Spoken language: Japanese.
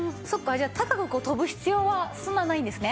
じゃあ高く跳ぶ必要はそんなないんですね。